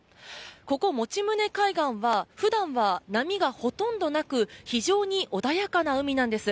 ここ、用宗海岸は普段は波がほとんどなく非常に穏やかな海なんです。